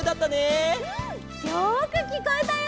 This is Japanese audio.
うん！よくきこえたよ。